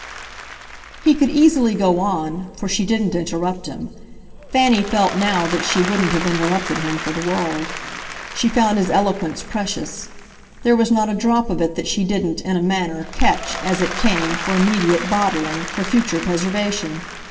He could easily go on, for she didn't interrupt him; Fanny felt now that she wouldn't have interrupted him for the world. She found his eloquence precious; there was not a drop of it that she didn't, in a manner, catch, as it came, for immediate bottling, for future preservation.